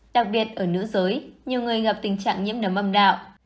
đặc biệt ở nữ giới nhiều người gặp tình trạng nhiễm nấm âm đạo